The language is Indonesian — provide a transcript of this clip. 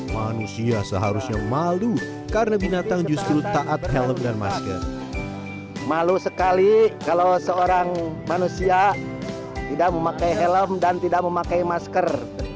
manusia seharusnya malu karena binatang justru taat helm dan masker